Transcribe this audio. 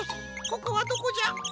ここはどこじゃ？